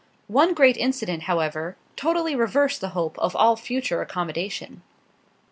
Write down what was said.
One great incident, however, totally reversed the hope of all future accommodation.